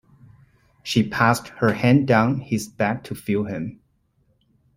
She passed her hand down his back to feel him.